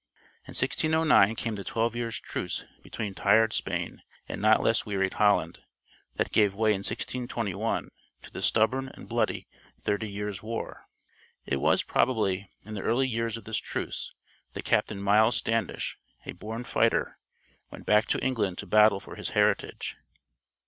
In 1609 came the twelve years' truce between tired Spain and not less wearied Holland, that gave way in 1621 to the stubborn and bloody Thirty Years' War. It was, probably, in the early years of this truce that Captain Miles Standish, a born fighter, went back to England to battle for his heritage.